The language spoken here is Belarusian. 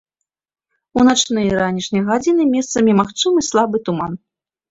У начныя і ранішнія гадзіны месцамі магчымы слабы туман.